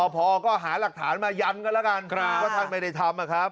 พอก็หาหลักฐานมายันกันแล้วกันว่าท่านไม่ได้ทำนะครับ